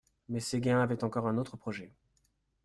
Mais Séguin avait encore un autre projet.